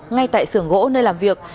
ngay tại sưởng gỗ nơi làm việc